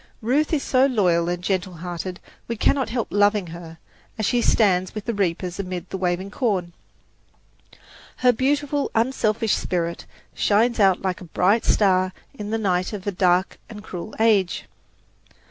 Ruth is so loyal and gentle hearted, we cannot help loving her, as she stands with the reapers amid the waving corn. Her beautiful, unselfish spirit shines out like a bright star in the night of a dark and cruel age.